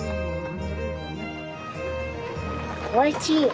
おいしい。